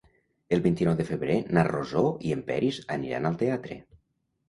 El vint-i-nou de febrer na Rosó i en Peris aniran al teatre.